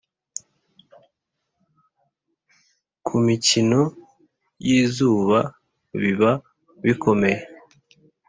kumikino yizuba biba bikomeye